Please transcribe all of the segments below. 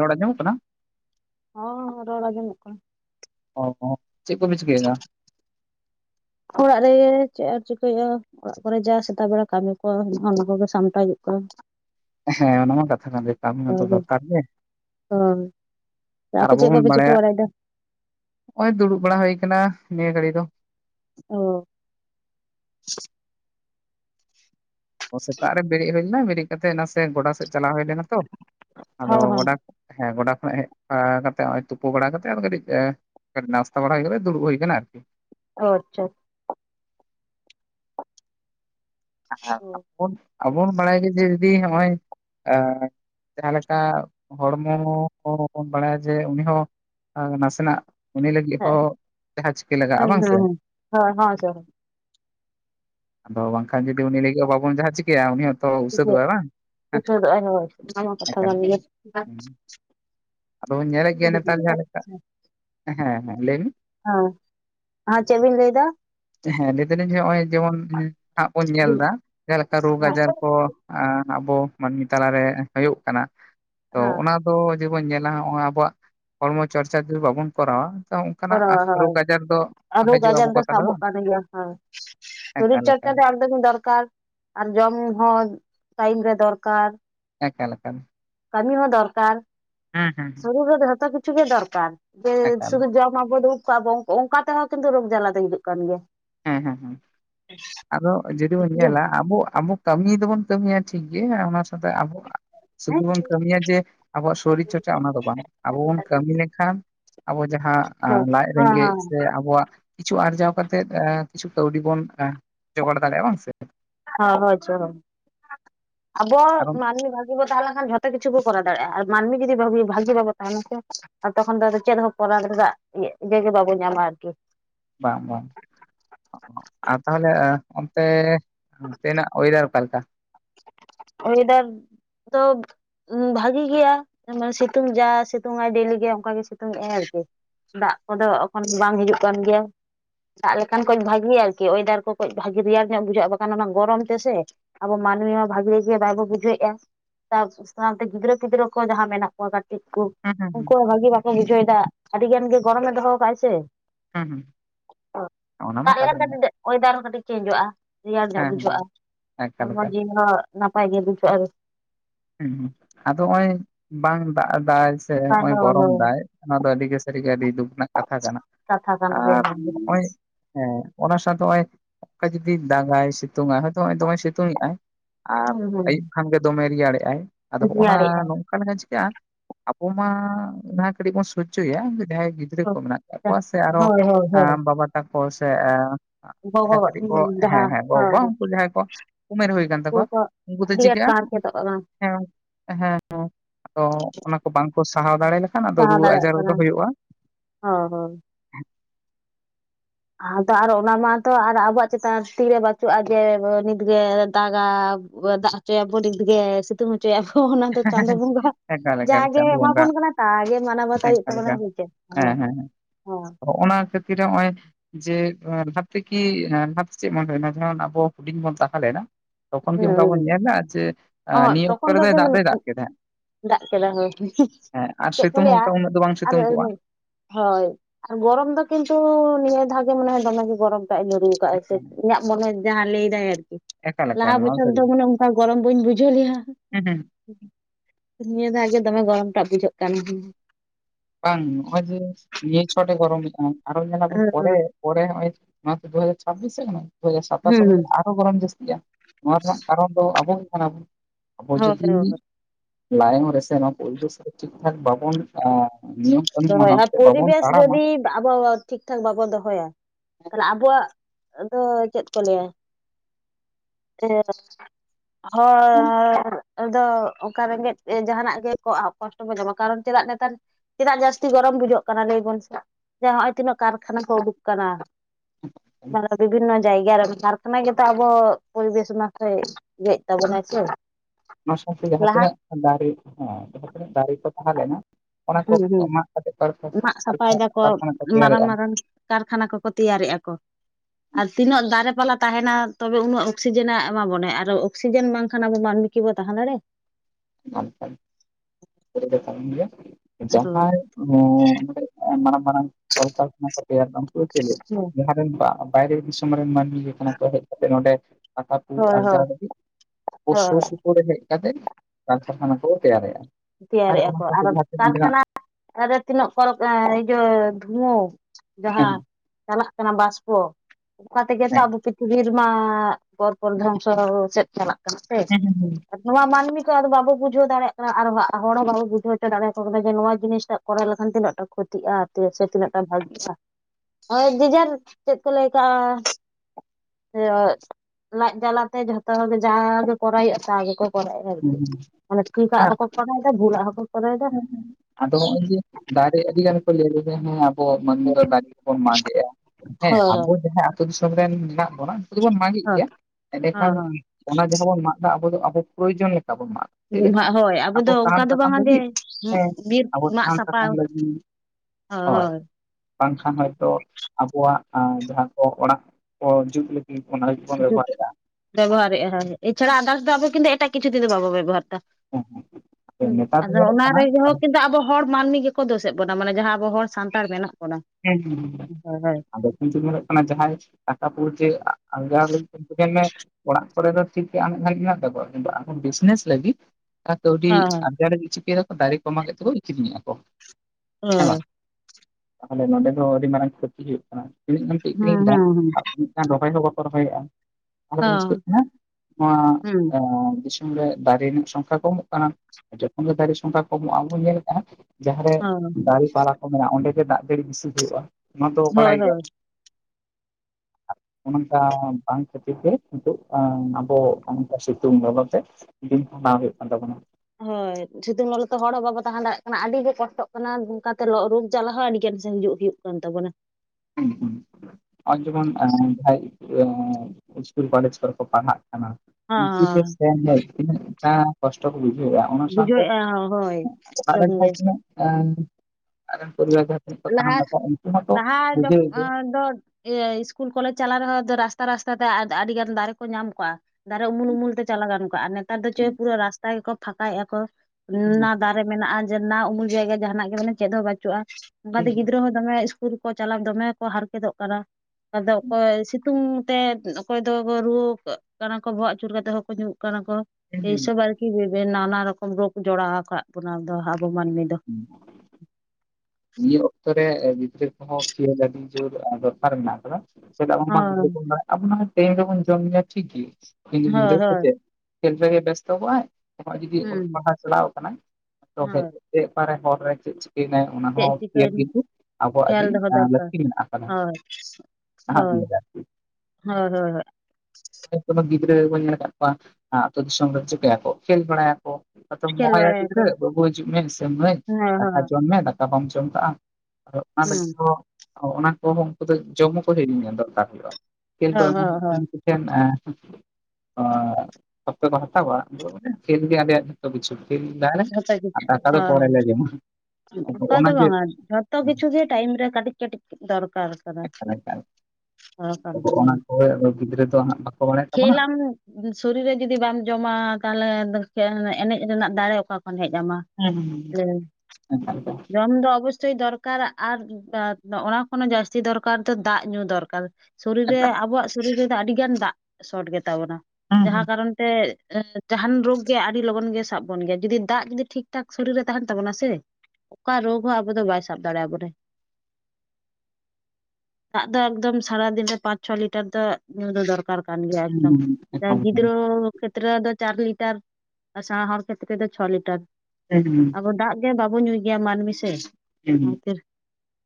ᱨᱚᱲ ᱟᱸᱡᱚᱢᱚᱜ ᱠᱟᱱᱟ? ᱦᱚᱸ ᱨᱚᱲ ᱟᱸᱡᱚᱢᱚᱜ ᱠᱟᱱᱟ ᱚ ᱪᱮᱫ ᱠᱚᱯᱮ ᱪᱤᱠᱟᱹᱭᱮᱫᱟ? ᱚᱲᱟᱜ ᱨᱮᱜᱮ ᱪᱮᱫ ᱟᱨ ᱪᱤᱠᱟᱹᱭ-ᱟ ᱚᱲᱟᱜ ᱠᱚᱨᱮ ᱡᱟ ᱥᱮᱛᱟᱜ ᱵᱮᱲᱟ ᱠᱟᱹᱢᱤ ᱠᱚᱣᱟ ᱚᱱᱟ ᱠᱚᱜᱮ ᱥᱟᱢᱴᱟᱣ ᱦᱩᱭᱩᱜ ᱠᱚᱱᱟ᱾ ᱦᱮᱸ ᱚᱱᱟ ᱢᱟᱟᱜ ᱠᱟᱛᱷᱟ ᱠᱟᱱᱟ ᱦᱚᱸᱛᱚ ᱫᱚᱨᱠᱟᱨ ᱜᱮ᱾ ᱦᱳᱭ ᱟᱨ ᱟᱯᱮ ᱪᱮᱫ ᱠᱚᱯᱮ ᱪᱤᱠᱟᱹ ᱵᱟᱲᱟᱭ ᱫᱟ ᱱᱚᱜᱚᱭ ᱫᱩᱲᱩᱵ ᱵᱟᱲᱟ ᱦᱩᱭ ᱟᱠᱟᱱᱟ ᱱᱤᱭᱟᱹ ᱜᱷᱟᱹᱲᱤ ᱫᱚ᱾ ᱚ ᱥᱮᱛᱟᱜ ᱨᱮ ᱵᱮᱨᱮᱫ ᱦᱩᱭ ᱞᱮᱱᱟ ᱵᱮᱨᱮᱫ ᱠᱟᱛᱮᱜ ᱱᱟᱥ ᱜᱚᱰᱟ ᱥᱮᱫ ᱪᱟᱞᱟᱣ ᱦᱩᱭ ᱞᱮᱱᱟ ᱛᱚ ᱟᱫᱚ ᱦᱚᱸ ᱦᱚᱸ ᱜᱚᱰᱟᱼᱼ ᱦᱮᱸ ᱜᱚᱰᱟ ᱠᱷᱚᱱᱟᱜ ᱦᱮᱡ ᱠᱟᱛᱮᱜ ᱱᱚᱜ ᱚᱭ ᱛᱩᱯᱩ ᱵᱟᱲᱟ ᱠᱟᱛᱮᱜ ᱠᱟᱹᱴᱤᱡᱼᱼ ᱱᱟᱥᱛᱟ ᱵᱟᱲᱟ ᱦᱩᱭ ᱫᱩᱲᱩᱵ ᱦᱩᱭ ᱟᱠᱟᱱᱟ ᱠᱟᱱᱟ ᱟᱨᱠᱤ᱾ ᱟᱼᱪᱷᱟ᱾ ᱟᱵᱚ ᱵᱚᱱ ᱵᱟᱲᱟᱭ ᱜᱮ ᱡᱮ ᱡᱩᱫᱤ ᱱᱚᱜᱼᱚᱭᱼᱼ ᱡᱟᱦᱟᱸᱮ ᱞᱮᱠᱟ ᱦᱚᱲᱢᱚ ᱦᱚᱸᱵᱚᱱ ᱵᱟᱲᱟᱭᱟ ᱡᱮ ᱩᱱᱤ ᱦᱚᱸ ᱱᱟᱥᱮᱱᱟᱜᱼᱼ ᱩᱱᱤ ᱞᱟᱹᱜᱤᱫ ᱦᱮᱸ ᱦᱚᱸ ᱡᱟᱦᱟᱸ ᱪᱤᱠᱟᱹ ᱦᱮᱸ ᱞᱟᱜᱟᱜᱼᱟ ᱵᱟᱝ ᱦᱮᱸ ᱦᱮᱸ ᱥᱮ? ᱦᱳᱭ ᱦᱳᱭ ᱟᱫᱚ ᱵᱟᱝᱠᱷᱟᱱ ᱡᱩᱫᱤ ᱩᱱᱤ ᱞᱟᱹᱜᱤᱫ ᱵᱟᱵᱚᱱ ᱡᱟᱦᱟᱸ ᱪᱤᱠᱟᱹᱭᱟ ᱩᱱᱤ ᱦᱚᱸ [unintelligible] ᱢᱩᱪᱟᱫ ᱫᱚᱜᱟ ᱱᱩᱭ ᱳᱱᱟ ᱢᱟ ᱠᱟᱛᱷᱟ ᱮᱠᱟᱞ ᱠᱟᱱ ᱜᱮ ᱦᱩᱸ ᱟᱫᱚ ᱵᱚᱱ ᱧᱮᱞᱮᱫ ᱪᱮᱫ ᱜᱮᱭᱟ ᱵᱤᱱ ᱱᱮᱛᱟᱨ ᱡᱟᱦᱟᱸᱞᱮ ᱞᱮᱠᱟ ᱦᱮᱸ ᱦᱮᱸ ᱞᱟᱹᱭ ᱢᱮ? ᱦ ᱦᱮᱸ ᱪᱮᱫ ᱵᱤᱱ ᱞᱟᱹᱭ ᱮᱫᱟ? ᱦᱮᱸ ᱞᱟᱹᱭ ᱫᱟᱞᱤᱧ ᱡᱮ ᱱᱚᱜᱼᱚᱭ ᱡᱮᱢᱚᱱᱟᱸᱜ ᱵᱚᱱ ᱧᱮᱞ ᱦᱮᱸ ᱮᱫᱟ ᱡᱟᱦᱟᱸᱮᱠᱟ ᱨᱳᱜᱽ ᱦᱳᱭ ᱟᱡᱟᱨ ᱠᱚᱼᱼ ᱟᱵᱚ ᱢᱟᱹᱱᱢᱤ ᱛᱟᱞᱟᱨᱮ ᱦᱩᱭᱩᱜ ᱠᱟᱱᱟ ᱛᱚ ᱦᱳᱭ ᱚᱱᱟᱼᱼ ᱛᱚ ᱡᱮ ᱵᱚᱱ ᱧᱮᱞᱟ ᱱᱚᱜᱚᱭ ᱟᱵᱚᱣᱟᱜ ᱦᱚᱲᱢᱚ ᱪᱚᱨᱪᱟ ᱡᱩᱫᱤ ᱵᱟᱵᱚᱱ ᱠᱚᱨᱟᱣᱟ᱾ ᱚᱱᱠᱟᱱᱟᱜ ᱨᱳᱜᱽ ᱟᱡᱟᱨ ᱫᱚ ᱟᱨ ᱨᱳᱜᱽ ᱦᱤᱡᱩᱜ ᱟᱡᱟᱨ ᱟᱵᱚ ᱫᱚ ᱛᱟᱦᱟᱞᱮ ᱥᱟᱵᱚᱜ ᱵᱟᱝ ᱮᱠᱷᱼᱼ ᱱᱮᱛᱟᱨ ᱫᱚᱨᱠᱟᱨ ᱟᱨ ᱡᱚᱢ ᱧᱩ ᱦᱚᱸ ᱴᱟᱭᱤᱢ ᱨᱮ ᱫᱚᱨᱠᱟᱨ᱾ ᱮᱠᱟᱞ, ᱮᱠᱟᱞ, ᱠᱟᱹᱢᱤ ᱦᱚᱸ ᱫᱚᱨᱠᱟᱨ ᱦᱮᱸ ᱦᱮᱸ ᱥᱚᱨᱤᱨ ᱨᱮ ᱡᱚᱛᱚ ᱠᱤᱪᱩ ᱜᱮ ᱫᱚᱨᱠᱟᱨ ᱮᱠᱟᱞ ᱥᱩᱫ ᱡᱚᱢᱼᱼ ᱟᱵᱚ ᱫᱩᱵᱜᱼᱟᱚᱱ ᱚᱱᱠᱟ ᱛᱮᱦᱚᱸ ᱠᱤᱱᱛᱩᱨᱳᱜ ᱡᱟᱞᱟ ᱫᱚ ᱦᱤᱡᱩᱜ ᱠᱟᱱ ᱜᱮᱭᱟ᱾ ᱦᱮᱸ ᱦᱮᱸ ᱦᱸ ᱟᱫᱚ ᱡᱩᱫᱤ ᱵᱚᱱ ᱡᱚᱢ ᱧᱮᱞᱟ ᱟᱵ ᱟᱵᱼᱼ ᱠᱟᱹᱢᱤ ᱫᱚᱵᱚᱱ ᱠᱟᱹᱢᱤᱭᱟ ᱴᱷᱤᱠ ᱜᱮ ᱚᱱᱟ ᱥᱟᱶᱛᱮ ᱟᱵᱚᱼᱼ ᱦᱮᱸ ᱥᱩᱫᱩ ᱵᱚᱱ ᱦᱮᱸ ᱠᱟᱹᱢᱤᱭᱟ ᱡᱮ ᱟᱵᱚᱣᱟᱜ ᱥᱚᱨᱤᱨ ᱪᱚᱨᱪᱟ ᱚᱱᱟ ᱫᱚ ᱵᱟᱝ ᱟᱵᱚ ᱵᱚᱱ ᱠᱟᱹᱢᱤ ᱞᱮᱠᱷᱟᱱ? ᱟᱵᱚ ᱡᱟᱦᱟᱸ ᱞᱟᱡ ᱦᱮᱸ ᱨᱮᱸᱜᱮᱡ ᱥᱮ ᱟᱵᱚᱣᱟᱜᱼᱼ ᱠᱤᱪᱷᱩ ᱟᱨᱡᱟᱣ ᱠᱟᱛᱮᱫ ᱠᱤᱪᱷᱩ ᱠᱟᱹᱣᱰᱤ ᱵᱚᱱ ᱡᱚᱜᱟᱲ ᱫᱟᱲᱮᱭᱟᱜᱼᱟ ᱵᱟᱝ ᱥᱮ᱾ ᱦ ᱦᱳᱪ ᱦᱳ ᱟᱨ ᱟᱵ ᱢᱟᱱᱤᱼᱼ ᱵᱷᱟᱜᱤ ᱵᱚᱱ ᱛᱟᱦᱚᱞᱮ ᱠᱷᱟᱱ ᱡᱷᱚᱛ ᱠᱤᱪᱷᱩ ᱵᱚ ᱠᱚᱨ ᱫᱟᱲᱮᱭᱟᱜ ᱟᱨ ᱢᱟᱹᱱᱢᱤ ᱡᱩᱫᱤ ᱵᱷᱟᱹᱜᱤ ᱵᱟᱵᱚᱱ ᱛᱟᱦᱮᱱᱟ ᱠᱷᱟᱱᱼᱼ ᱟᱨ ᱛᱚᱠᱷᱚᱱ ᱫᱚ ᱪᱮᱫ ᱦᱚᱸ ᱠᱚᱚᱨ ᱨᱮ ᱤᱭᱟᱹ ᱜᱮ ᱵᱟᱵᱚᱱ ᱧᱟᱢᱟ ᱟᱨᱠᱤ? ᱵᱟᱝ ᱵᱟᱝ ᱟᱨ ᱛᱟᱦᱚᱞᱮ ᱚᱱᱛᱮ ᱚᱱ ᱛᱮᱱᱟᱜ ᱚᱭᱮᱫᱟᱨᱼᱼ ᱟᱠᱟᱞᱮᱠᱟ? ᱳᱭᱮᱫᱟᱨ ᱫᱚᱼᱼ ᱵᱷᱟᱜᱤ ᱜᱮᱭᱟ ᱥᱤᱛᱩᱝ ᱡᱟ ᱥᱤᱛᱩᱝ ᱰᱮᱞᱤ ᱜᱮ ᱚᱱᱠᱟ ᱜᱮ ᱥᱤᱛᱩᱝ ᱮ ᱟᱭ ᱟᱨᱠᱤ᱾ ᱫᱟᱜ ᱠᱚᱫᱚ ᱮᱠᱷᱚᱱ ᱵᱟᱝ ᱦᱤᱡᱩᱜ ᱠᱟᱱ ᱜᱮᱭᱟ᱾ ᱫᱟᱜ ᱞᱮᱠᱟᱱ ᱠᱚᱡ ᱵᱷᱟᱜᱮ ᱟᱨᱠᱤ ᱚᱭᱮᱫᱟᱨ ᱠᱚ ᱠᱟᱹᱡ ᱵᱷᱟᱜᱤ ᱨᱮᱭᱟᱲ ᱧᱚᱜ ᱵᱩᱡᱷᱟᱹᱜ ᱵᱟᱠᱷᱟᱱ ᱚᱱᱟ ᱜᱚᱨᱚᱢ ᱛᱮᱥᱮᱼᱼ ᱢᱟᱹᱱᱢᱤ ᱢᱟ ᱵᱷᱟᱜᱤᱜᱮ ᱵᱟᱭᱵᱚ ᱵᱩᱡᱷᱟᱹᱣᱮᱫᱼᱟ ᱛᱟᱨᱥᱟᱣᱛᱮ ᱜᱤᱫᱽᱨᱟᱹ ᱯᱤᱫᱽᱨᱟᱹ ᱠᱚ ᱡᱟᱦᱟᱸ ᱢᱮᱱᱟᱜᱼᱼ ᱠᱟᱹᱴᱤᱡ ᱠᱚ ᱦᱩᱸ ᱦᱩᱸ ᱩᱱᱠᱩ ᱵᱷᱟᱜᱤ ᱵᱟᱠᱚ ᱵᱩᱡᱷᱟᱹᱣᱮᱫᱟ ᱟᱹᱰᱤ ᱜᱟᱱ ᱜᱮ ᱜᱚᱨᱚᱢᱮ ᱫᱚᱦᱚ ᱟᱠᱟᱫᱟᱭ ᱥᱮ ᱦᱩᱸ ᱦᱩᱸ ᱦᱩᱸ ᱚᱱᱟ ᱢᱟ ᱠᱟᱛᱷᱟ ᱢᱮᱱᱟᱜ [unintelligible] ᱚᱭᱮᱫᱟᱨ ᱦᱚᱸ ᱠᱟᱹᱴᱤᱡ ᱪᱮᱧᱡᱚᱜᱼᱟ᱾ ᱨᱮᱭᱟᱲ ᱦᱮᱸ ᱧᱚᱜ ᱦᱮᱸ ᱵᱩᱡᱷᱟᱹᱜᱼᱟ ᱮᱠᱟᱞ ᱦᱚᱲᱢᱚ ᱮᱠᱟᱞ ᱡᱤᱭᱣᱤ ᱦᱚᱸ ᱱᱟᱯᱟᱭ ᱜᱮ ᱵᱩᱡᱷᱟᱹᱜᱼᱟ ᱟᱨᱼᱼ ᱦᱮ ᱟᱫᱚ ᱱᱚᱜᱼᱚᱭ ᱵᱟᱝ ᱫᱟᱜ ᱮ ᱫᱟᱭ ᱥᱮ ᱱᱚᱜ ᱦᱳᱭ ᱚᱭ ᱦᱳᱭ ᱜᱚᱨᱚᱢ ᱦᱳᱭ ᱫᱟᱭ ᱚᱱᱟ ᱫᱚ ᱟᱹᱰᱤᱜ ᱥᱟᱹᱨᱤᱜᱮ ᱟᱹᱰᱤ ᱫᱩᱠ ᱨᱮᱱᱟᱜ ᱠᱟᱛᱷᱟ ᱠᱟᱱᱟ᱾ ᱠᱟᱛᱷᱟ ᱠᱟᱱ ᱟᱨ ᱠᱟᱱ ᱜᱮᱭᱟ᱾ ᱱᱚᱜᱼᱚᱭ ᱦᱮᱸ ᱚᱱᱟ ᱥᱟᱶᱛᱮ ᱱᱚᱜᱚᱭ ᱚᱱᱠᱟ ᱡᱩᱫᱤ ᱫᱟᱜᱟᱭ ᱥᱤᱛᱩᱝ ᱟᱭ ᱦᱚᱭᱛᱳ ᱫᱚᱢᱮ ᱥᱤᱛᱩᱝ ᱮᱟᱭ, ᱟᱨ ᱦᱩᱸ ᱦᱩᱸ ᱟᱹᱭᱩᱵ ᱠᱷᱟᱱ ᱜᱮ ᱫᱚᱢᱮ ᱨᱮᱭᱟᱲᱮᱜᱼᱟᱭ ᱟᱫᱚ ᱱᱚᱱᱟᱜᱟ ᱨᱮᱭᱟᱲᱮᱜᱼᱟᱭ ᱱᱚᱼᱼ ᱠᱟ ᱞᱮᱠᱟ ᱪᱤᱠᱟᱹᱜᱼᱟ ᱟᱵᱚ ᱢᱟ ᱚᱱᱟ ᱠᱟᱹᱴᱤᱡ ᱵᱚᱱ ᱥᱚᱡᱽᱡᱚ ᱜᱮᱭᱟ ᱡᱟᱦᱟᱸᱭ ᱜᱤᱫᱽ ᱜᱤᱫᱽᱨᱟ ᱠᱚ ᱢᱮᱱᱟᱜ ᱠᱫ ᱠᱚᱣᱟ ᱥᱮ ᱟᱨᱚ ᱦᱳᱭ ᱦᱳᱭ ᱦᱳᱭ ᱵᱟᱵᱟ ᱛᱟᱠᱚ ᱥᱮᱼᱼ ᱜᱚᱜᱚ ᱡᱟᱦᱟᱸ ᱠᱟᱹᱴᱤᱡ ᱦᱮᱸ ᱡᱟᱦᱟᱸ ᱦᱮᱸ ᱜᱚ ᱵᱟᱵᱟ ᱦᱳᱭ ᱩᱱᱠᱩ ᱡᱟᱦᱟᱸᱭ ᱠᱚ ᱩᱢᱮᱨ ᱦᱩᱭ ᱟᱠ ᱛᱟᱠᱚᱣᱟ᱾ ᱦᱳᱭ ᱩᱱᱠᱩ ᱫᱚ ᱟᱹᱰᱤ ᱟᱸᱴ ᱪᱤᱠᱟᱹᱜᱼᱟ ᱵᱟᱨ ᱠᱷᱮᱛᱚᱜ ᱠᱟᱱᱟ ᱦᱮᱸᱼᱼ ᱦᱮᱸ ᱦᱮᱸ ᱟᱫᱚ ᱚᱱᱟ ᱠᱚ ᱵᱟᱝᱠᱚ ᱥᱟᱦᱟᱣ ᱫᱟᱲᱮ ᱞᱮᱠᱷᱟᱱ ᱟᱫᱚ ᱨᱩᱣᱟᱹ ᱟᱡᱟᱨᱫᱚ ᱦᱩᱭᱩᱜᱼᱟ᱾ ᱦᱚᱸ ᱦᱚᱸ᱾ ᱟᱫᱚ ᱟᱨᱚ ᱚᱱᱟ ᱢᱟᱛᱚ ᱟᱨ ᱟᱵᱚᱣᱟᱜ ᱪᱮᱛᱟᱱ ᱨᱮ ᱛᱤᱨᱮ ᱵᱟᱹᱪᱩᱜᱼᱟ ᱡᱮ ᱱᱤᱛᱜᱮ ᱫᱟᱜᱟᱻ ᱫᱟᱜ ᱦᱚᱪᱚᱭ ᱟᱵᱚ ᱱᱤᱛ ᱜᱮ ᱛᱩᱝ ᱦᱚᱪᱚᱭ ᱟᱵᱚ ᱚᱱᱟ ᱫᱚ ᱪᱟᱸᱫᱳ ᱵᱚᱸᱜᱟ ᱮᱠᱟᱞ ᱮᱠᱟᱞ ᱡᱟᱜᱮ ᱪᱟᱸᱫᱳ ᱮᱢᱟ ᱵᱚᱸᱜᱟ ᱵᱚᱱ ᱠᱟᱱᱟ ᱛᱟ ᱜᱮ ᱢᱟᱱᱟᱣ ᱵᱟᱛᱟᱣ ᱦᱩᱭᱩᱜ ᱮᱠᱟᱞ ᱛᱟᱵᱚᱱᱟ ᱮᱠᱟᱞ ᱦᱮᱸ ᱪᱮ ᱾ ᱦᱮᱸ ᱦᱮᱸ ᱦᱮᱸ, ᱦᱚᱸᱜᱼᱚᱱᱟ ᱠᱷᱟᱹᱛᱤᱨ ᱦᱚᱸᱜᱼᱚᱭ ᱡᱮ ᱞᱟᱦᱟᱛᱮ ᱠᱤ ᱞᱟᱦᱟᱛᱮ ᱪᱮᱫ ᱢᱟᱱᱮ ᱡᱮᱢᱚᱱ ᱟᱵᱚ ᱦᱩᱰᱤᱧ ᱵᱚᱱ ᱛᱟᱦᱮᱸᱞᱮᱱᱟ ᱛᱚᱠᱷᱚᱱ ᱠᱤ ᱚᱱᱠᱟ ᱵᱚᱱ ᱦᱩᱸ ᱧᱮᱞᱟ ᱡᱮ ᱚᱦᱚᱸᱜ ᱱᱤᱭᱟᱹ ᱚᱠᱛᱚ ᱛᱚᱠᱷᱚᱱ ᱨᱮ ᱫᱚᱭ ᱫᱟᱜ [unintelligible] ᱠᱮᱫᱟ ᱫᱟᱜ ᱠᱟᱫᱟ ᱦᱳᱭ, ᱦᱮᱸ ᱟᱨ ᱪᱮᱫ ᱠᱚ ᱥᱤᱛᱩᱝ ᱦᱚᱸ ᱞᱟᱹᱭᱟ ᱚᱱᱠᱟ ᱩᱱᱟᱹᱜ ᱫᱚ ᱵᱟᱝ ᱟᱫᱚ ᱥᱤᱛᱩᱝ ᱤᱧ ᱠᱚᱜᱼᱟ ᱦᱚᱧ ᱦᱳᱭ ᱟᱨ ᱜᱚᱨᱚᱢ ᱫᱚ ᱠᱤᱱᱛᱩ ᱱᱤᱭᱟᱹ ᱫᱷᱟᱣ ᱜᱮ ᱢᱟᱱᱮ ᱫᱚᱢᱮ ᱜᱮ ᱜᱚᱨᱚᱢ ᱴᱟᱜ ᱧᱩᱨᱩ ᱠᱟᱜᱼᱟ ᱥᱮ ᱦᱮᱸ ᱤᱧᱟᱹᱜ ᱢᱚᱱᱮ ᱡᱟᱦᱟᱸ ᱞᱟᱹᱭᱮᱫᱟᱭ ᱟᱨᱠᱤ ᱾ ᱮᱠᱟᱞ ᱞᱟᱦᱟ ᱮᱠᱟᱞ ᱱᱚᱣᱟ ᱵᱚᱪᱷᱚᱨ ᱥᱟᱹᱨᱤ ᱫᱚ ᱜᱮ ᱢᱟᱱᱮ ᱚᱱᱠᱟ ᱜᱚᱨᱚᱢ ᱵᱟᱹᱧ ᱵᱩᱡᱷᱟᱹᱣ ᱞᱮᱜᱼᱟ ᱦᱩᱸ ᱦᱩᱸ ᱾ ᱱᱤᱭᱟᱹ ᱫᱷᱟᱣ ᱜᱮ ᱫᱚᱢᱮ ᱜᱚᱨᱚᱢ ᱴᱟᱜ ᱵᱩᱡᱷᱟᱹᱜ ᱠᱟᱱ ᱦᱮᱸ ᱾ ᱵᱟᱝ ᱱᱚᱜᱼᱚᱭ ᱡᱮ ᱱᱤᱭᱟᱹ ᱪᱷᱚᱴᱮ ᱜᱚᱨᱚᱢᱮᱫᱼᱟ, ᱟᱨᱚ ᱧᱮᱞ ᱟᱵᱚᱱ ᱯᱚᱨᱮ ᱯᱮᱨᱮ ᱦᱚᱸᱜᱼᱚᱭ ᱱᱚᱣᱟ ᱛᱚ ᱫᱩ ᱦᱟᱡᱟᱨ ᱪᱷᱟᱵᱤᱥ ᱠᱟᱱᱟ ᱫᱩ ᱦᱟᱡᱟᱨ ᱥᱟᱛᱟᱥ ᱥᱚᱢᱚᱭ ᱫᱚ ᱦᱩᱸ ᱟᱨ ᱜᱚᱨᱚᱢ ᱡᱟᱹᱥᱛᱤᱜᱼᱟ ᱾ ᱱᱚᱣᱟ ᱨᱮᱱᱟᱜ ᱠᱟᱨᱚᱱ ᱫᱚ ᱟᱵᱚ ᱜᱮ ᱠᱟᱱᱟ ᱵᱚᱱ, ᱟᱵᱚ ᱦᱳᱭ ᱡᱩᱫᱤ ᱦᱳᱭ ᱞᱟᱭᱚᱝ ᱨᱮ ᱥᱮ ᱱᱚᱣᱟ ᱯᱚᱨᱤᱵᱮᱥ ᱨᱮ ᱴᱷᱤᱠ ᱴᱷᱟᱠ ᱵᱟᱵᱚᱱ ᱟ ᱱᱤᱭᱚᱢ ᱠᱟᱹᱱᱩᱱ ᱫᱚᱦᱚᱭ ᱢᱟᱱᱟᱣ ᱟᱨ ᱠᱟᱛᱮᱫ ᱵᱟᱵᱚᱱ ᱯᱚᱨᱤᱵᱮᱥ ᱛᱟᱲᱟᱢᱟ ᱡᱩᱫᱤ ᱟᱵᱚ ᱴᱷᱤᱠ ᱴᱷᱟᱠ ᱵᱟᱵᱚ ᱫᱚᱦᱚᱭᱟ ᱛᱟᱦᱞᱮ ᱟᱵᱚᱣᱟᱜ ᱫᱚ ᱪᱮᱫ ᱠᱚ ᱞᱟᱹᱭᱟ? [unintelligible] ᱦᱚᱻᱭ ᱟᱫᱚ ᱚᱱᱠᱟ ᱨᱮᱸᱜᱮᱡ ᱛᱮ ᱡᱟᱦᱟᱱᱟᱜ ᱜᱮ ᱠᱚᱨᱟᱣ ᱠᱚᱥᱴᱚ ᱠᱚ ᱧᱟᱢᱟ, ᱠᱟᱨᱚᱱ ᱪᱮᱫᱟᱜ ᱱᱮᱛᱟᱨ ᱪᱮᱫᱟᱜ ᱡᱟᱹᱥᱛᱤ ᱜᱚᱨᱚᱢ ᱵᱩᱡᱷᱟᱹᱜ ᱠᱟᱱᱟ? ᱞᱟᱹᱭ ᱵᱚᱱ ᱥᱮ ᱾ ᱡᱮ ᱱᱚᱜᱼᱭ ᱛᱤᱱᱟᱹᱜ ᱠᱟᱨᱠᱷᱟᱱᱟ ᱠᱚ ᱩᱰᱩᱠ ᱠᱟᱱᱟ ᱾ ᱡᱟᱦᱟ ᱨᱮ ᱵᱤᱵᱷᱤᱱᱱᱚ ᱡᱟᱭᱜᱟ ᱨᱮ ᱟᱨ ᱚᱱᱮ ᱜᱮᱛᱚ ᱟᱵᱚ ᱯᱚᱨᱤᱵᱮᱥ ᱢᱟᱥᱮᱭ ᱤᱭᱟᱹᱭᱮᱫ ᱛᱟᱵᱚᱱᱟᱭ ᱥᱮ ᱾ ᱚᱱᱟ ᱥᱟᱶᱛᱮ ᱡᱟᱦᱟᱸ ᱛᱤᱱᱟᱹᱜ ᱫᱟᱨᱮ ᱦᱮᱸ, ᱡᱟᱦᱟᱸ ᱛᱤᱱᱟᱹᱜ ᱫᱟᱨᱮ ᱠᱚ ᱛᱟᱦᱮᱸ ᱞᱮᱱᱟ ᱾ ᱚᱱᱟ ᱠᱚ ᱦᱩᱸ ᱦᱩᱸ ᱢᱟᱜ ᱠᱟᱛᱮ ᱢᱟᱜ ᱥᱟᱯᱷᱟᱭ [unintelligible] ᱫᱟᱠᱚ ᱠᱟᱨᱠᱷᱟᱱᱟ ᱠᱚ ᱢᱟᱨᱟᱝ ᱛᱮᱭᱟᱨᱮᱜᱼᱟ ᱾ ᱢᱟᱨᱟᱝ ᱠᱟᱨᱠᱷᱟᱱᱟ ᱠᱚᱠᱚ ᱛᱮᱭᱟᱨᱮᱜᱼᱟ ᱠᱚ ᱾ ᱟᱨ ᱛᱤᱱᱟᱹᱜ ᱫᱟᱨᱮ ᱯᱟᱞᱦᱟ ᱛᱟᱦᱮᱱᱟ ᱛᱚᱵᱮ ᱩᱱᱟᱹᱜ ᱚᱠᱥᱤᱡᱮᱱᱮ ᱮᱢᱟ ᱵᱚᱱᱟᱭ, ᱟᱨᱚ ᱚᱠᱥᱤᱡᱮᱱ ᱵᱟᱝᱠᱷᱟᱱ ᱟᱵᱚ ᱢᱟᱹᱱᱢᱤ ᱠᱤ ᱵᱚ ᱛᱟᱦᱮ ᱫᱟᱲᱮᱜᱼᱟ? ᱵᱟᱝᱠᱷᱟᱱ [unintelligible] ᱫᱚ ᱛᱟᱦᱮᱱ ᱜᱮᱭᱟ, ᱦᱳᱭ ᱡᱟᱦᱟᱸᱭ ᱦᱚᱸ [unintelligible] ᱢᱟᱨᱟᱝ ᱢᱟᱨᱟᱝ ᱠᱚᱞ ᱠᱟᱨᱠᱷᱟᱱᱟ ᱠᱚ ᱛᱮᱭᱟᱨ ᱮᱫᱟ ᱩᱱᱠᱩ ᱠᱚ ᱫᱚ ᱪᱤᱞᱤ? ᱡᱟᱦᱟ ᱵᱟᱼᱵᱟᱭᱨᱮ ᱫᱤᱥᱚᱢ ᱨᱮᱱ ᱢᱟᱹᱱᱢᱤ ᱜᱮ ᱠᱟᱱᱟ ᱠᱚ ᱦᱮᱡ ᱠᱟᱛᱮ ᱱᱚᱸᱰᱮ ᱴᱟᱠᱟ ᱠᱩ ᱦᱳᱭ ᱟᱨᱡᱟᱣ ᱦᱳᱭ ᱞᱟᱹᱜᱤᱫ ᱠᱚ ᱥᱩᱨ ᱦᱳᱭ ᱥᱩᱯᱩᱨ ᱨᱮ ᱦᱮᱡ ᱠᱟᱛᱮ ᱠᱟᱨᱠᱷᱟᱱᱟ ᱠᱚ ᱛᱮᱭᱟᱨᱮᱜᱼᱟ ᱾ ᱛᱮᱭᱟᱨᱮᱜᱼᱟ ᱠᱚ ᱟᱨᱚ ᱠᱟᱨᱷᱟᱱᱟ ᱟᱫᱚ ᱛᱤᱱᱟᱹᱜ ᱯᱚᱨᱮ ᱤᱭᱟᱹ ᱫᱷᱩᱶᱟᱹ ᱦᱮᱸ ᱡᱟᱦᱟᱸ ᱪᱟᱞᱟᱜ ᱠᱟᱱᱟ ᱵᱟᱥᱯᱚ, ᱚᱱᱠᱟ ᱛᱮᱜᱮ ᱛᱚ ᱦᱮᱸ ᱟᱵᱚ ᱯᱨᱤᱛᱷᱤᱵᱤ ᱨᱮᱢᱟᱻ ᱯᱚᱨ ᱯᱚᱨ ᱫᱷᱚᱝᱥᱚ ᱥᱮᱫ ᱪᱟᱞᱟᱜ ᱠᱟᱱᱟ ᱥᱮ ᱦᱮᱸ ᱦᱮᱸ ᱾ ᱱᱚᱣᱟ ᱢᱟᱹᱱᱢᱤ ᱠᱚ ᱟᱫᱚ ᱵᱟᱵᱚ ᱵᱩᱡᱷᱟᱹᱣ ᱫᱟᱲᱮᱭᱟᱜ ᱠᱟᱱᱟ ᱟᱨᱚ ᱦᱟᱸᱜ ᱦᱚᱲ ᱦᱚᱸ ᱵᱟᱵᱚ ᱵᱩᱡᱷᱟᱹᱣ ᱦᱚᱪᱚ ᱫᱟᱲᱮᱭᱟᱠᱚ ᱠᱟᱱᱟ ᱡᱮ, ᱱᱚᱣᱟ ᱡᱤᱱᱤᱥ ᱴᱟᱜ ᱠᱚᱨᱟᱣ ᱞᱮᱠᱷᱟᱱ ᱛᱤᱱᱟᱹᱜ ᱴᱟ ᱠᱷᱚᱛᱤᱜᱼᱟ ᱛᱮ ᱥᱮ ᱛᱤᱱᱟᱹᱜ ᱴᱟ ᱵᱷᱟᱹᱜᱤᱜᱼᱟ? ᱦᱳᱭ ᱡᱮᱡᱟᱨ ᱪᱮᱫ ᱠᱚ ᱞᱟᱹᱭ ᱠᱟᱜᱼᱟᱻ ᱡᱮ ᱞᱟᱡ ᱡᱟᱞᱟᱛᱮ ᱡᱷᱚᱛᱚ ᱜᱮ ᱡᱟ ᱜᱮ ᱠᱚᱨᱟᱣ ᱦᱩᱭᱩᱜᱼᱟ ᱛᱟ ᱜᱮᱠᱚ ᱜᱮᱠᱚ ᱠᱚᱨᱟᱣᱟ ᱦᱮᱸ ᱟᱨᱠᱤ ᱦᱮᱸ ᱢᱟᱱᱮ ᱴᱷᱤᱠᱟᱜ ᱵᱟᱝ ᱦᱚᱸᱠᱚ ᱠᱚᱨᱟᱣ ᱮᱫᱟ ᱵᱷᱩᱞᱟᱜ ᱦᱚᱸᱠᱚ ᱠᱚᱨᱟᱣᱮᱫᱟ ᱦᱮᱸ ᱦᱮᱸ, ᱟᱫᱚ ᱱᱚᱜᱼᱚᱭ ᱡᱮ ᱫᱟᱨᱮ ᱟᱹᱰᱤ ᱜᱟᱱ ᱠᱚ ᱞᱟᱹᱭ [unintelligible] ᱦᱚᱸ ᱠᱚ ᱢᱟᱹᱱᱢᱤ ᱫᱚ ᱫᱟᱨᱮ ᱠᱚᱵᱚᱱ ᱢᱟᱜᱮᱜᱼᱟ, ᱦᱮᱸ ᱦᱳᱭ ᱟᱵᱚ ᱡᱟᱦᱟᱸ ᱟᱹᱛᱳ ᱫᱤᱥᱚᱢ ᱨᱮᱱ ᱢᱮᱱᱟᱜ ᱵᱚᱱᱟ ᱡᱮ ᱵᱚᱱ ᱢᱟᱜᱮᱜ ᱦᱳᱭ ᱜᱮᱭᱟ, ᱮᱸᱰᱮᱠᱷᱟᱱ ᱦᱳᱭ ᱚᱱᱟ ᱡᱟᱦᱟᱸ ᱵᱚᱱ ᱢᱟᱜ ᱮᱫᱟ ᱟᱵᱚ ᱫᱚ ᱟᱵᱚ ᱯᱨᱚᱭᱳᱡᱚᱱ ᱞᱮᱠᱟ ᱵᱚᱱ ᱢᱟᱜ ᱮᱫᱟ ᱾ ᱪᱮᱫ ᱞᱮᱠᱟ ᱦᱳᱭ ᱦᱳᱭ ᱟᱵᱚ ᱫᱚ ᱥᱟᱦᱟᱱ ᱚᱱᱠᱟ ᱫᱚ ᱥᱟᱠᱟᱢ ᱵᱟᱝᱟ ᱡᱮ ᱞᱟᱹᱜᱤᱫ? ᱦᱮᱸ ᱵᱤᱨ ᱟᱵᱚ ᱢᱟᱜ ᱥᱟᱦᱟᱱ ᱥᱟᱯᱷᱟ ᱥᱟᱠᱟᱢ ᱦᱳᱭ ᱞᱟᱹᱜᱤᱫ ᱦᱳᱭ᱾ ᱵᱟᱝᱠᱷᱟᱱ ᱦᱚᱭᱛᱚ ᱟᱵᱚᱣᱟᱜ ᱡᱟᱦᱟᱸ ᱠᱚ ᱚᱲᱟᱜ ᱠᱚ ᱡᱩᱛᱽ ᱞᱟᱹ [unintelligible] ᱚᱱᱟ ᱵᱚᱱ ᱥᱩᱡᱳᱜᱽ ᱵᱮᱵᱚᱦᱟᱨ ᱮᱫᱟ ᱵᱮᱵᱚᱦᱟᱨᱮᱜᱼᱟ ᱦᱳᱭ ᱮᱪᱷᱟᱲᱟ ᱟᱫᱟᱨᱥ ᱫᱚ ᱟᱵᱚ ᱠᱤᱱᱛᱩ ᱮᱴᱟᱜ ᱠᱤᱪᱷᱩ ᱛᱮᱫᱚ ᱵᱟᱵᱚ ᱵᱮᱵᱚᱦᱟᱨ ᱮᱫᱟ ᱦᱮᱸ ᱦᱮᱸ ᱾ ᱦᱩᱸ ᱱᱮᱛᱟᱨ ᱫᱚ ᱟᱫᱚ ᱧᱮᱞᱚᱜ ᱚᱱᱟ ᱠᱟᱱᱟ ᱨᱮᱜᱮᱦᱚᱸ ᱟᱫᱚ ᱠᱤᱱᱛᱩ ᱟᱵᱚ ᱦᱚᱲ ᱢᱟᱹᱱᱢᱤ ᱜᱮᱠᱚ ᱫᱳᱥᱮᱜ ᱵᱚᱱᱟ ᱢᱟᱱᱮ ᱡᱟᱦᱟᱸ ᱟᱵᱚ ᱦᱚᱲ ᱥᱟᱱᱛᱟᱲ ᱢᱮᱱᱟᱜ ᱵᱚᱱᱟ ᱦᱮᱸ ᱦᱩᱸ ᱦᱳᱭ ᱦᱳᱭ ᱟᱫᱚ [unintelligible] ᱚᱲᱟᱜ ᱠᱚᱨᱮ ᱫᱚ ᱴᱷᱤ ᱟᱱᱮᱡ ᱫᱷᱟᱱᱮᱡ ᱦᱮᱱᱟᱜ ᱛᱟᱠᱚᱣᱟ ᱠᱤᱱᱛᱩ ᱟᱨᱦᱸ ᱵᱤᱥᱱᱮᱥ ᱞᱟᱹᱜᱤᱫ ᱟᱨ ᱠᱟᱹᱣᱰᱤ ᱦᱮᱸ ᱟᱨᱡᱟᱣ ᱞᱟᱹᱜᱤᱫ ᱪᱤᱠᱟᱹᱭᱮ ᱫᱟᱠᱚ ᱫᱟᱨᱮ ᱠᱚ ᱢᱟᱜ ᱮᱫ ᱛᱮᱠᱚ ᱟᱠᱷᱨᱤᱧᱮ-ᱟ ᱠᱚ᱾ ᱦᱮᱸ ᱛᱟᱦᱚᱞᱮ ᱱᱚᱰᱮ ᱫᱚ ᱟᱹᱰᱤ ᱢᱟᱨᱟᱝ ᱠᱷᱚᱛᱤ ᱦᱩᱭᱩᱜ ᱠᱟᱱᱟ ᱛᱤᱱᱟᱹᱜ ᱜᱟᱱ ᱯᱮ ᱟᱹᱷᱨᱤᱧ ᱦᱮᱸ ᱦᱩᱸ ᱦᱩᱸ ᱫᱟ ᱨᱚᱦᱚᱭ ᱦᱚᱸ ᱵᱟᱠᱚ ᱨᱚᱦᱚᱭᱮᱜ-ᱟ ᱟᱫᱚᱵᱚᱱ ᱪᱤᱠᱟᱹᱜ ᱦᱚᱸ ᱠᱟᱱᱟ ᱦᱩᱸ ᱱᱚᱣᱟ ᱨᱮ ᱫᱟᱨᱮ ᱨᱮᱱᱟᱜ ᱥᱚᱝᱠᱷᱟ ᱠᱚᱢᱚᱜ ᱠᱟᱱᱟ ᱡᱚᱠᱷᱚᱱ ᱜᱮ ᱫᱟᱨᱮ ᱥᱚᱝᱠᱷᱟ ᱠᱚᱢᱚᱜ-ᱟ ᱵᱚᱱ ᱧᱮᱞ ᱠᱟᱜ-ᱟ ᱡᱟᱦᱟᱸᱨᱮ ᱦᱚᱸ ᱫᱟᱨᱤ ᱯᱟᱲᱟ ᱠᱚ ᱢᱮᱱᱟᱜ ᱚᱸᱰᱮᱜ ᱫᱟᱜ ᱡᱟᱹᱲᱤ ᱵᱤᱥᱤ ᱦᱩᱭᱩᱜ-ᱟ ᱚᱱᱟ ᱫᱚ ᱦᱳᱭ ᱵᱟᱲᱟᱭ ᱜᱮᱭᱟ ᱦᱳᱭ [inaudible] ᱱᱚᱝᱠᱟ ᱵᱟᱝ ᱠᱷᱟᱹᱛᱤᱨ ᱛᱮ ᱱᱤᱛᱚᱜ ᱟᱵᱚ ᱚᱱᱠᱟ ᱥᱤᱛᱩᱝ ᱞᱚᱞᱚ ᱛᱮ ᱫᱤᱱ ᱠᱷᱸᱟᱰᱟᱣ ᱦᱩᱭᱩᱜ ᱠᱟᱱ ᱛᱟᱵᱚᱱᱟ᱾ ᱦᱳᱭ ᱥᱤᱛᱩᱝ ᱞᱚᱞᱚ ᱛᱮ ᱦᱚᱲ ᱦᱚᱸ ᱵᱟᱵᱚ ᱛᱟᱦᱮᱸ ᱫᱟᱲᱮᱭᱟᱜ ᱠᱟᱱᱟ ᱟᱹᱰᱤ ᱜᱮ ᱠᱚᱥᱴᱚᱜ ᱠᱟᱱᱟ ᱱᱚᱝᱠᱟᱛᱮ ᱞᱚᱜ ᱨᱳᱜ ᱡᱟᱞᱟ ᱦᱚᱸ ᱟᱹᱰᱤᱜᱟᱱ ᱦᱤᱡᱩᱜ ᱦᱩᱭᱩᱜ ᱠᱟᱱᱟ᱾ ᱠᱟᱱ ᱛᱟᱵᱟᱱᱟ [unintelligible] ᱟᱨ ᱡᱮᱢᱚᱱ ᱡᱟᱦᱟᱸᱭ ᱤᱥᱠᱩᱞ ᱠᱚᱞᱮᱡᱽ ᱠᱚᱨᱮ ᱠᱚ ᱯᱟᱲᱦᱟᱜ ᱠᱟᱱᱟ ᱦᱚᱸ ᱦᱚᱸ [unintelligible] ᱵᱩᱡᱷᱟᱹᱣᱮᱜ-ᱟ ᱦᱳᱭ ᱮᱫᱚᱢ ᱜᱮ ᱟᱨ ᱟᱡ ᱯᱚᱨᱤᱵᱟᱨ ᱡᱟᱦᱟᱸ ᱛᱤᱱᱟᱹᱜ ᱠᱚ ᱛᱟᱦᱮᱱ ᱞᱟᱦᱟ ᱛᱟᱠᱚᱣᱟ ᱩᱱᱠᱩ ᱢᱟᱠᱚ [unintelligible] ᱤᱭᱟᱹ ᱤᱥᱠᱩᱞ ᱠᱚᱞᱮᱡᱽ ᱪᱟᱞᱟ ᱨᱮᱦᱚᱸ ᱨᱟᱥᱛᱟ ᱨᱟᱥᱛᱟ ᱛᱮ ᱟᱹᱰᱤ ᱜᱟᱱ ᱫᱟᱨᱮ ᱠᱚ ᱧᱟᱢ ᱠᱚᱜ-ᱟ᱾ ᱫᱟᱨᱮ ᱩᱢᱩᱞ ᱩᱢᱩᱞ ᱛᱮ ᱪᱟᱞᱟ ᱜᱟᱱ ᱠᱚ-ᱟ ᱱᱮᱛᱟᱨ ᱫᱚ ᱡᱮ ᱯᱩᱨᱟᱹ ᱨᱟᱥᱛᱟ ᱜᱮᱠᱚ ᱯᱷᱟᱸᱠᱟ ᱮ-ᱟ ᱠᱚ ᱚᱱᱱᱟ ᱫᱟ ᱢᱮᱱᱟᱜ-ᱟ ᱡᱮ ᱱᱟ ᱩᱢᱩᱞ ᱡᱟᱭᱜᱟ ᱡᱟᱦᱟᱱᱟᱜ ᱜᱮ ᱢᱟᱱᱮ ᱪᱮᱫ ᱦᱚᱸ ᱵᱟᱹᱪᱩᱜ-ᱟ ᱚᱱᱠᱟᱛᱮ ᱜᱤᱫᱽᱨᱟᱹ ᱦᱚᱸ ᱫᱚᱢᱮ ᱤᱥᱠᱩᱞ ᱠᱚ ᱪᱟᱞᱟ ᱫᱚᱢᱮ ᱠᱚ ᱦᱟᱨᱠᱮᱛᱚᱜ ᱠᱟᱱᱟ ᱟᱫᱚ ᱚᱠᱚᱭ ᱥᱤ ᱛᱩᱝ ᱛᱮ ᱚᱠᱚᱭ ᱫᱚ ᱠᱚ ᱨᱩᱣᱟᱹᱣ ᱠᱟᱱᱟ ᱠᱚ ᱵᱚᱦᱚᱜ ᱟᱹᱪᱩᱨ ᱠᱟᱛᱮᱜ ᱦᱚᱸᱠᱚ ᱧᱩᱨᱩᱜ ᱠᱟᱱᱟ ᱠᱚ᱾ ᱮᱭᱥᱚᱵ ᱟᱨᱠᱤ ᱵᱤᱵᱤ ᱱᱟᱱᱟ ᱨᱚᱠᱚᱢ ᱨᱳᱜᱽ ᱡᱚᱲᱟᱣ ᱟᱠᱟᱫ ᱵᱚᱱᱟ ᱫᱚ ᱟᱵᱚ ᱢᱟᱹᱱᱢᱤ ᱫᱚ ᱦᱩᱸ ᱱᱤᱭᱟᱹ ᱚᱠᱛᱚ ᱨᱮ ᱜᱤᱫᱽᱨᱟᱹ ᱠᱚᱦᱚᱸ ᱡᱳᱨ ᱫᱚᱨᱠᱟᱨ ᱢᱮᱱᱟᱜ ᱟᱠᱟᱫᱟ ᱦᱳᱭ ᱦᱳᱭ ᱦᱳᱭ [unintelligible] ᱠᱷᱮᱞ ᱨᱮᱜᱮ ᱵᱮᱥᱛᱚᱜ ᱟᱭ ᱱᱚᱣᱟ ᱡᱩᱫᱤ ᱚᱞᱚᱜ ᱦᱩᱸ ᱯᱟᱲᱦᱟᱣ ᱪᱟᱞᱟᱣ ᱟᱠᱟᱱᱟ ᱛᱚᱵᱮ ᱦᱳᱭ ᱛᱮᱜ ᱚᱠᱟᱨᱮ ᱦᱚᱨ ᱨᱮ ᱪᱮᱫ ᱪᱤᱠᱟᱹᱭᱱᱟ ᱚᱱᱟ ᱪᱮᱫ ᱦᱚᱸ ᱪᱤᱠᱟᱹᱭ ᱟᱵᱚᱣᱟᱜ ᱠᱷᱮᱭᱟᱞ ᱟᱹᱰᱤ ᱫᱚᱦᱚ ᱫᱚᱨᱠᱟᱨ ᱞᱟᱹᱠᱛᱤ ᱢᱮᱱᱟᱜ ᱟᱠᱟᱫᱟ᱾ ᱦᱳᱭ [unintelligible] ᱦᱚ ᱨᱚ ᱨᱚᱡ ᱜᱤᱫᱽᱨᱟᱹ ᱠᱚᱵᱚᱱ ᱧᱮᱞ ᱟᱠᱟᱫ ᱠᱚᱣᱟ ᱟᱹᱛᱩ ᱫᱤᱥᱚᱢ ᱨᱮ ᱪᱤᱠᱟᱹᱭᱟᱠᱚ ᱠᱷᱮᱞ ᱵᱟᱲᱟᱭᱟᱠᱚ ᱟᱫᱚᱢ ᱠᱷᱮᱞ ᱦᱚᱦᱚᱭᱟ ᱵᱟᱲᱟᱭᱟᱠᱚ ᱜᱤᱫᱽᱨᱟᱹ ᱦᱳᱭ ᱵᱟᱹᱵᱩ ᱦᱤᱡᱩᱜ ᱢᱮᱱ ᱥᱮ ᱢᱟᱹᱭ ᱫᱟᱠᱟ ᱦᱳᱭ ᱡᱚᱢ ᱢᱮ ᱫᱟᱠᱟ ᱵᱟᱢ ᱡᱚᱢ ᱠᱟᱜ-ᱟ ᱟᱫᱚ ᱚᱱᱟ ᱦᱩᱸ ᱞᱟᱹᱜᱤᱫ ᱦᱚᱸ ᱚᱱᱟ ᱠᱚᱦᱚᱸ ᱩᱱᱠᱩ ᱫᱚ ᱡᱚᱢ ᱠᱚ ᱦᱤᱲᱤᱧᱟ ᱫᱚᱨᱠᱟᱨ ᱦᱩᱭᱩᱜ-ᱟ᱾ ᱠᱷᱮᱞ ᱫᱚ ᱦᱳᱭ ᱮᱢᱚᱱ ᱦᱳᱭ ᱦᱳᱭ ᱢᱤᱫᱴᱟᱹᱝ ᱴᱮᱱ ᱚᱠᱛᱚ ᱠᱚ ᱦᱟᱛᱟᱣᱟ ᱫᱚ ᱠᱷᱮᱞ ᱜᱮ ᱟᱞᱮᱭᱟᱜ ᱫᱚ ᱛᱚ ᱠᱤᱪᱷᱩ ᱠᱷᱮᱞ ᱞᱟᱦᱟᱞᱮᱢ ᱡᱷᱚᱛᱚ ᱠᱤᱪᱷᱩ ᱟᱨ ᱫᱟᱠᱟ ᱫᱚ ᱦᱳᱭ ᱯᱚᱨᱮ ᱦᱳᱭ ᱞᱮ ᱡᱚᱢᱟ ᱚᱱᱠᱟ ᱚᱱᱟ ᱫᱚ ᱜᱮ ᱵᱟᱝᱟ ᱡᱷᱚᱛᱚ ᱠᱤᱪᱷᱩ ᱜᱮ ᱴᱟᱭᱤᱢ ᱨᱮ ᱠᱟᱴᱤᱡ-ᱠᱟᱹᱴᱤᱡ ᱫᱚᱨᱠᱟᱨ᱾ ᱠᱟᱫᱟ ᱮᱠᱟᱞ ᱮᱠᱟᱞ ᱟᱫᱚ ᱚᱱᱟ ᱠᱚ ᱟᱫᱚ ᱜᱤᱫᱽᱨᱟᱹ ᱫᱚ ᱦᱟᱸᱜ ᱵᱟᱠᱚ ᱵᱟᱲᱟᱭ ᱛᱟᱵᱚᱱᱟ᱾ ᱠᱷᱮᱞᱟᱢ ᱥᱚᱨᱤ ᱨᱮ ᱡᱩᱫᱤ ᱵᱟᱢ ᱡᱚᱢᱟ ᱛᱟᱦᱞᱮ ᱮᱱᱮᱡ ᱨᱮᱱᱟᱜ ᱫᱟᱲᱮ ᱚᱠᱟ ᱠᱷᱚᱱ ᱦᱮᱡ ᱟᱢᱟ ᱦᱮᱸ ᱦᱮᱸ ᱦᱮᱸ ᱮᱠᱟᱞ ᱮᱠᱟᱞ ᱡᱚᱢ ᱫᱚ ᱚᱵᱚᱥ ᱪᱚᱭ ᱫᱚᱨᱠᱟᱨᱟ ᱟᱨ ᱚᱱᱟ ᱠᱷᱚᱱᱦᱚᱸ ᱡᱟᱹᱥᱛᱤ ᱫᱚᱨᱠᱟᱨ ᱫᱚ ᱫᱟᱜ ᱧᱩᱸ ᱫᱚᱨᱠᱟᱨ᱾ ᱥᱚᱨᱤᱨ ᱨᱮ ᱮᱠᱟᱞ ᱟᱵᱚᱣᱟᱜ ᱥᱚᱨᱤᱨ ᱨᱮᱫᱚ ᱟᱹᱰᱤ ᱜᱟᱱ ᱫᱟᱜ ᱥᱚᱴ ᱜᱮᱛᱟᱵᱚᱱᱟ ᱦᱩᱸ ᱡᱟᱦᱟᱸ ᱠᱟᱨᱚᱱ ᱛᱮ ᱡᱟᱦᱟᱱ ᱨᱳᱜᱽ ᱜᱮ ᱟᱹᱰᱤ ᱞᱚᱜᱚᱱ ᱜᱮ ᱥᱟᱵ ᱵᱚᱱ ᱜᱮᱭᱟ ᱡᱩᱫᱤ ᱫᱟᱜ ᱡᱩᱫᱤ ᱴᱷᱤᱠ ᱴᱷᱟᱠ ᱥᱚᱨᱤᱨ ᱨᱮ ᱛᱟᱦᱮᱱ ᱛᱟᱵᱚᱱᱟ ᱥᱮ ᱚᱠᱟ ᱨᱳᱜᱽ ᱦᱚᱸ ᱟᱵᱚ ᱫᱚ ᱵᱟᱭ ᱥᱟᱵ ᱫᱟᱲᱮᱭᱟ ᱟᱵᱚᱱᱟᱭ [inaudible] ᱫᱟᱜ ᱫᱚ ᱮᱠᱫᱚᱢ ᱥᱟᱨᱟ ᱫᱤᱱ ᱨᱮ ᱯᱟᱸᱪ ᱪᱷᱚ ᱞᱤᱴᱟᱨ ᱫᱚ ᱧᱩᱸ ᱫᱚ ᱫᱚᱨ ᱫᱚᱨᱠᱟᱨ ᱠᱟᱱ ᱜᱮᱭᱟ ᱦᱩᱸ ᱮᱠᱫᱚᱢ, ᱦᱩᱸ ᱮᱠᱟᱞ ᱮᱠᱟᱞ ᱦᱩᱸ ᱜᱤᱫᱽᱨᱟᱹ ᱯᱤᱫᱽᱨᱟᱹ ᱫᱚ ᱪᱟᱨ ᱞᱤᱴᱟᱨ ᱥᱮᱬᱟ ᱦᱚᱲ ᱠᱷᱮᱛ ᱫᱚ ᱪᱷᱚ ᱞᱤᱴᱟᱨ ᱾ ᱦᱮᱸ᱾ ᱟᱵᱚ ᱫᱟᱜ ᱜᱮ ᱵᱟᱵᱚᱱ ᱧᱩᱭ ᱜᱮᱭᱟ ᱢᱟᱹᱱᱢᱤ ᱥᱮ ᱦᱩᱸ ᱾ ᱚᱱᱟ ᱠᱷᱟᱹᱛᱤᱨ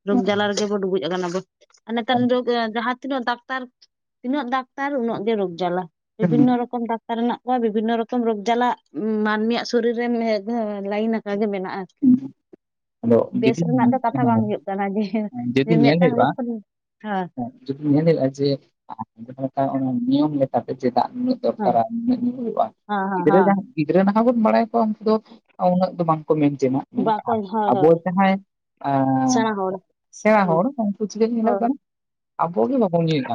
ᱨᱚᱜᱽ ᱡᱟᱞᱟ ᱨᱮᱜᱮ ᱵᱚᱱ ᱰᱩᱵᱩᱡ ᱟᱠᱟᱱᱟ ᱵᱚ, ᱟᱨ ᱱᱮᱛᱟᱨ ᱮᱠᱟᱞ ᱨᱚᱜᱽ ᱡᱟᱦᱟᱸ ᱛᱤᱱᱟᱹᱜ ᱰᱟᱠᱛᱟᱨ ᱛᱤᱱᱟᱹᱜ ᱰᱟᱠᱛᱟᱨ ᱩᱱᱟᱹᱜ ᱜᱮ ᱨᱚᱜᱽ ᱡᱟᱞᱟ, ᱵᱤᱵᱷᱤᱱᱱᱚ ᱨᱚᱠᱚᱢ ᱰᱟᱠᱛᱟᱨ ᱢᱮᱱᱟᱜ ᱠᱚᱣᱟ ᱵᱤᱵᱷᱤᱱᱱᱚ ᱨᱚᱠᱚᱢ ᱨᱚᱜᱽ ᱡᱟᱞᱟ ᱢᱟᱹᱱᱢᱤ ᱭᱟᱜ ᱥᱚᱨᱤᱨ ᱨᱮ ᱢᱤᱫ ᱫᱷᱟᱹᱣ ᱞᱟᱭᱤᱱ ᱟᱠᱟᱜ ᱜᱮ ᱢᱮᱱᱟᱜᱼᱟ ᱟᱨᱠᱤ᱾ ᱦᱩᱸ ᱟᱫᱚ ᱵᱮᱥ ᱡᱩᱫᱤ ᱨᱮᱱᱟᱜ ᱫᱚ ᱠᱟᱛᱷᱟ ᱦᱮᱸ ᱵᱟᱝ ᱦᱩᱭᱩᱜ ᱠᱟᱱᱟ, ᱡᱮ ᱢᱤᱫᱴᱟᱝ ᱨᱚᱜᱽ ᱠᱷᱚᱱ ᱦᱮᱸ ᱡᱩᱫᱤᱢ ᱧᱮᱞᱮᱼᱟ ᱡᱮ ᱡᱟᱦᱟᱸ ᱞᱮᱠᱟ ᱚᱱᱟ ᱱᱤᱭᱚᱢ ᱞᱮᱠᱟᱛᱮ ᱪᱮᱫᱟᱜ ᱩᱱᱟᱹᱜ ᱦᱮᱸ ᱥᱚᱨᱠᱟᱨᱟᱜ ᱢᱤᱫ ᱧᱤᱫᱟᱹ ᱦᱩᱭᱩᱜ-ᱟ ᱦᱮᱸ ᱦᱮᱸ ᱦᱮᱸ ᱜᱤᱫᱽᱨᱟᱹ ᱱᱟᱦᱟᱜ ᱵᱚᱱ ᱵᱟᱲᱟᱭ ᱠᱚᱣᱟ ᱩᱱᱠᱩ ᱫᱚ ᱩᱱᱟᱹᱜ ᱫᱚ ᱵᱟᱝᱠᱚ ᱢᱮᱱᱴᱮᱱᱟ ᱢᱮᱱ ᱵᱟᱠᱚ ᱠᱷᱟᱱ, ᱦᱳᱭ ᱟᱵᱚ ᱦᱳᱭ ᱡᱟᱦᱟᱸᱭ, ᱟᱸᱻ ᱥᱮᱬᱟ ᱦᱚᱲ ᱥᱮᱬᱟ ᱦᱚᱲ ᱦᱩᱸ ᱩᱱᱠᱩ ᱪᱤᱠᱟᱹ ᱧᱮᱞᱚᱜ ᱦᱳᱭ ᱠᱟᱱᱟ, ᱟᱵᱚ ᱜᱮ ᱵᱟᱵᱚᱱ ᱧᱩᱭᱮᱜᱼᱟ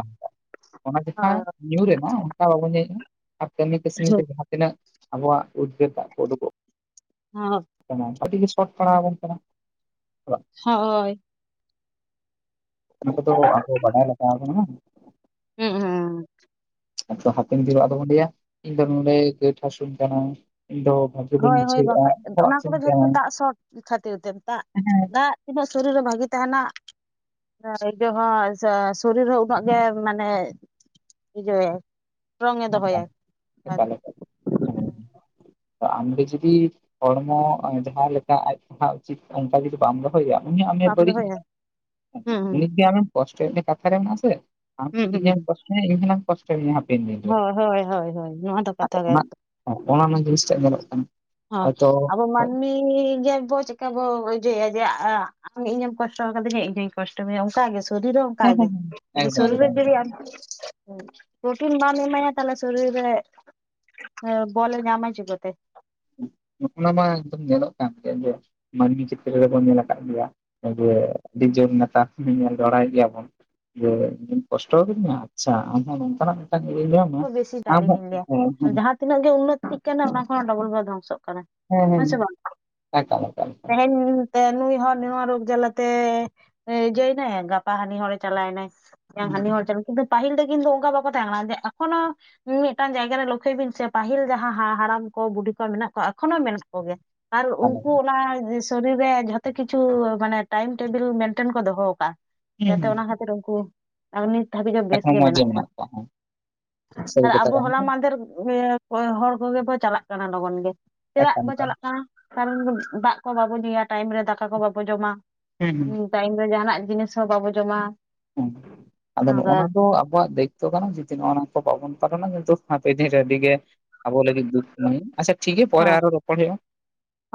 ᱚᱱᱟ ᱪᱮᱴᱷᱟ ᱦᱳᱭ ᱧᱩᱨ ᱮᱱᱟ ᱚᱱᱠᱟ ᱵᱟᱵᱚᱱ ᱧᱩᱭᱮᱫᱼᱟᱼᱼ ᱟᱨ ᱠᱟᱹᱢᱤ ᱠᱟᱹᱥᱱᱤ ᱛᱮ ᱡᱟᱦᱟ ᱛᱤᱱᱟᱹᱜ ᱟᱵᱚᱣᱟᱜ ᱩᱫᱽᱜᱟᱹᱨ ᱫᱟᱜ ᱠᱚ ᱩᱰᱩ ᱠᱚᱜ ᱦᱚᱸ ᱟᱰᱤ ᱜᱮ ᱥᱚᱴ ᱯᱟᱲᱟᱣ ᱟᱵᱚᱱ ᱠᱟᱱᱟ᱾ ᱦᱚᱸ ᱦᱳᱭ, ᱚᱱᱟ ᱠᱚᱫᱚ ᱟᱵᱚ ᱵᱟᱰᱟᱭ ᱞᱟᱜᱟ ᱟᱵᱚᱱᱟ, ᱦᱩᱸ ᱦᱩᱸ ᱦᱩᱸ ᱟᱫᱚ ᱦᱟᱯᱮᱱ ᱫᱤᱱ ᱟᱫᱚ ᱵᱚᱱ ᱞᱟᱹᱭ ᱟ ᱤᱧ ᱫᱚ ᱱᱚᱰᱮ ᱜᱟ. ᱴ ᱦᱟᱹᱥᱩᱧ ᱠᱟᱱᱟ ᱤᱧ ᱫᱚᱼᱼ ᱦᱳᱭ ᱦᱳᱭ ᱵᱟᱠᱷᱟᱡ ᱚᱱᱟ ᱠᱚᱫᱚ ᱡᱷᱚᱛᱚ ᱫᱟᱜ ᱥᱚᱴ ᱠᱷᱟᱹᱛᱤᱨ ᱛᱮ ᱫᱟᱜ ᱦᱮᱸ ᱫᱟᱜ, ᱛᱱᱟᱹᱜ ᱥᱚᱨᱤᱨᱮ ᱵᱷᱟᱹᱜᱤ ᱛᱟᱦᱮᱱᱟ᱾ ᱤᱭᱟᱹ ᱦᱚᱸ ᱥᱚ ᱥᱚᱨᱤᱨ ᱦᱚᱸ ᱩᱱᱟᱹᱜ ᱜᱮ ᱢᱟᱱᱮ ᱤᱭᱟᱹᱭᱟᱭ, ᱨᱚᱝ ᱮ ᱮᱠᱟᱞ ᱫᱚᱦᱚᱭᱟ ᱟᱨ, ᱮᱠᱟᱞ᱾ [unintelligible] ᱟᱢᱜᱮ ᱡᱩᱫᱤ ᱦᱚᱲᱢᱚ ᱡᱟᱦᱟ ᱞᱮᱠᱟ ᱟᱡ ᱯᱟᱲᱦᱟᱜ ᱩᱪᱤᱛ ᱚᱱᱠᱟ ᱡᱩᱫᱤ ᱵᱟᱢ ᱨᱚᱲ ᱦᱳᱭᱭᱟ ᱩᱱᱤᱟᱜ ᱟᱢᱮ ᱵᱟᱢ ᱵᱟᱹᱲᱤᱡ ᱫᱚᱦᱚᱭᱟ ᱦᱩᱸ ᱦᱩᱸ ᱩᱱᱤᱜᱮ ᱟᱢ ᱠᱚᱥᱴᱚᱭ ᱠᱟᱛᱷᱟ ᱨᱮ ᱢᱮᱱᱟᱜ ᱟᱥᱮ ᱟᱢ ᱦᱩᱸ ᱡᱩᱫᱤ ᱦᱩᱸ ᱤᱧ ᱮᱢ ᱦᱩᱸ ᱠᱚᱥᱴᱚᱧᱟ ᱤᱧ ᱦᱳᱞᱟᱝ ᱠᱚᱥᱴᱚᱭ ᱢᱮᱭᱟ ᱦᱟᱯᱮᱱ ᱫᱤᱱ ᱨᱮ ᱦᱳᱭ ᱦᱳᱭ ᱦᱳᱭ ᱦᱳᱭ ᱱᱚᱣᱟ ᱫᱚ, ᱠᱟᱛᱷᱟ ᱟᱫᱚ ᱜᱮ ᱚᱱᱟ ᱮᱠᱫᱚᱢ ᱚᱱᱟ ᱱᱟ ᱡᱤᱱᱤᱥ ᱴᱟᱜ ᱧᱮᱞᱚᱜ ᱠᱟᱱᱟ, ᱦᱚᱸ ᱦᱚᱭᱛᱚ ᱟᱵᱚ ᱢᱟᱹᱱᱢᱤ ᱜᱮ ᱵᱚ ᱪᱮᱠᱟ ᱵᱚ ᱤᱡᱮ ᱡᱮ ᱭᱟ ᱟᱢ ᱤᱧᱮᱢ ᱠᱚᱥᱴᱚ ᱠᱟᱫᱤᱧ ᱟ ᱤᱧ ᱦᱚᱧ ᱠᱚᱥᱴᱚ ᱢᱮᱭᱟ ᱚᱱᱠᱟ ᱜᱮᱥᱮ, ᱥᱚᱨᱤᱨ ᱦᱚᱸ ᱚᱝᱠᱟ ᱦᱮᱸ ᱜᱮ ᱦᱮᱸ ᱦᱮᱸ ᱡᱩᱫᱤ ᱮᱠᱫᱚᱢ ᱮᱠᱫᱚᱢ ᱥᱚᱨᱤᱨ ᱨᱮ ᱮᱠᱫᱚᱢ ᱡᱩᱫᱤ ᱟᱢ ᱯᱨᱚᱴᱤᱱ ᱵᱟᱢ ᱮᱢᱟᱭᱟ ᱛᱟᱦᱞᱮ ᱥᱚᱨᱤᱨ ᱨᱮ ᱵᱚᱞᱮ ᱧᱟᱢᱟ ᱪᱤᱠᱟᱹ ᱛᱮ ᱱᱚᱜᱼ ᱚᱱᱟ ᱢᱟ ᱮᱠᱫᱚᱢ ᱧᱮᱞᱚᱜ ᱠᱟᱱ ᱜᱮ ᱡᱮᱼᱼ ᱢᱟᱹᱱᱢᱤ ᱪᱮᱛ ᱛᱮᱫ ᱨᱮᱵᱚᱱ ᱧᱮᱞ ᱟᱠᱟᱫ ᱜᱮᱭᱟ ᱡᱮ ᱟᱹᱰᱤ ᱡᱳᱨ ᱱᱮᱛᱟᱨ ᱧᱮᱞ ᱡᱚᱲᱟᱭᱮᱫ ᱜᱮᱭᱟ ᱵᱚᱱ᱾ ᱡᱮ ᱤᱧ ᱠᱚᱥᱴᱚ ᱠᱟᱫᱤᱧᱟᱢ ᱟᱪᱪᱷᱟ ᱟᱢ ᱦᱚ ᱱᱚᱝᱠᱟᱱᱟᱜ ᱢᱤᱫᱴᱟᱝ ᱤᱭᱟᱹᱭᱟᱢᱼᱼ ᱦᱮᱸ ᱵᱮᱥᱤ ᱟᱢ ᱦᱚ ᱴᱟᱱᱤᱧ ᱞᱟᱹᱭᱟ ᱦᱮᱸ ᱡᱟᱦᱟᱸ ᱛᱤᱱᱟᱹᱜ ᱜᱮ ᱩᱱᱱᱚᱛᱤᱜ ᱠᱟᱱᱟ ᱚᱱᱟ ᱠᱷᱚ ᱰᱚᱵᱚᱞ ᱜᱮ ᱫᱷᱚᱝᱥᱚᱜ ᱠᱟᱱᱟ, ᱦᱮᱸ ᱦᱮᱸ ᱥᱮ ᱵᱟᱝ ᱮᱠᱟᱞ ᱮᱠᱟᱞ ᱮᱠᱟᱞ, ᱛᱮᱦᱮᱧ ᱱᱩᱭ ᱦᱚᱲ ᱱᱚᱣᱟ ᱨᱳᱜᱽ ᱡᱟᱞᱟ ᱛᱮ, ᱡᱚᱭᱮᱱᱟᱭ ᱜᱟᱯᱟ ᱦᱟᱱᱤ ᱦᱚᱲ ᱪᱟᱞᱟᱭᱱᱟᱭ᱾ ᱦᱟᱱᱤ ᱦᱚᱲ ᱥᱮ ᱱᱩ ᱯᱟᱹᱟᱦᱤᱞ ᱫᱚ ᱠᱤᱱᱛᱩ ᱚᱱᱠᱟ ᱵᱟᱠᱚ ᱛᱟᱦᱮᱸ ᱠᱟᱱᱟ ᱡᱮ ᱮᱠᱷᱚᱱᱳᱼᱼ ᱢᱤ-ᱢᱤᱫᱴᱟᱱ ᱡᱟᱭᱜᱟᱟ ᱨᱮ ᱞᱚᱠᱠᱷᱚᱭ ᱵᱤᱱ ᱥᱮ ᱯᱟᱹᱦᱤᱞ ᱡᱟᱦᱟᱸ ᱦᱟ ᱦᱟᱲᱟᱢ ᱠᱚ ᱵᱩᱰᱷᱤ ᱠᱚ ᱢᱮᱱᱟᱜ ᱠᱚᱣᱟ ᱮᱠᱷᱚᱱᱳ ᱢᱮᱱᱟᱜ ᱠᱚᱜᱮᱭᱟ, ᱟᱨ ᱩᱱᱠᱩ ᱚᱱᱟ ᱥᱚᱨᱤᱨ ᱨᱮ ᱡᱷᱚ ᱛᱚ ᱠᱤᱪᱷᱩ ᱢᱟᱱᱮ ᱴᱟᱭᱤᱢ ᱴᱮᱵᱤᱞ ᱢᱮᱱᱴᱮᱱ ᱠᱚ ᱫᱚᱦᱚᱣ ᱟᱠᱟᱼᱟ᱾ ᱦᱮᱸ ᱡᱟᱛᱮ ᱚᱱᱟ ᱠᱷᱟᱹᱛᱤᱨ ᱩᱱᱠᱩ ᱱᱤᱛ ᱫᱷᱟᱹᱵᱤᱡ ᱜᱮ ᱵᱮᱥ ᱜᱮ ᱢᱮᱱᱟᱜ ᱠᱚᱣᱟ᱾ ᱥᱟᱹᱨᱤ ᱟᱨ ᱠᱟᱛᱷᱟ ᱟᱵᱚ ᱠᱟᱱ ᱦᱚᱞᱟ ᱜᱮᱭᱟ ᱢᱟᱦᱫᱷᱮᱨ ᱦᱚᱲ ᱠᱚᱜᱮ ᱵᱚ ᱪᱟᱞᱟᱜ ᱠᱟᱱᱟ ᱞᱚᱜᱚᱱ ᱜᱮ, ᱪᱮᱫᱟᱜ ᱮᱠᱟᱞ ᱵᱚᱱ ᱮᱠᱟᱞ ᱪᱟᱞᱟᱜ ᱠᱟᱱᱟ ᱠᱟᱨᱚᱱ ᱫᱟᱜ ᱠᱚ ᱵᱟᱵᱚᱱ ᱧᱩᱭᱟ ᱴᱟᱭᱤᱢ ᱨᱮ ᱫᱟᱠᱟ ᱠᱚ ᱵᱟᱵᱚᱱ ᱡᱚᱢᱟ᱾ ᱦᱮᱸ ᱴᱟᱭᱤᱢ ᱨᱮ ᱡᱟᱦᱟ ᱱᱟᱜ ᱡᱤᱱᱤᱥ ᱦᱚᱸ ᱵᱟᱵᱚ ᱡᱚᱢᱟ᱾ ᱦᱮᱸ ᱟᱫᱚ ᱚᱱᱠᱟ ᱱᱚᱜᱼᱱᱟ ᱫᱚ ᱟᱨᱠᱤ ᱟᱵᱚ ᱟᱵᱚᱣᱟᱜ ᱫᱟᱭᱤᱛᱛᱚ ᱠᱟᱱᱟ ᱡᱩᱫᱤ ᱱᱚᱜᱼᱚ ᱱᱚᱣᱟ ᱠᱚ ᱵᱟᱵᱚᱱ ᱯᱟᱞᱚᱱᱟ ᱠᱤᱱᱛᱩ ᱦᱟᱯᱮᱱ ᱫᱤᱱ ᱟᱹᱰᱤᱜ ᱜᱮᱼᱼ ᱟᱵᱚ ᱞᱟᱜᱤᱫ ᱫᱩᱠ ᱢᱚᱦᱤᱢ, ᱟᱪᱪᱷᱟ ᱴᱷᱤᱠ ᱜᱮᱭᱟ ᱦᱮᱸ ᱯᱚᱨᱮ ᱟᱨᱚ ᱨᱚᱯᱚᱲ ᱦᱩᱭᱩᱜ -ᱟ,